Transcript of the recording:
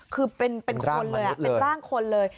คือเป็นร่างคนเลย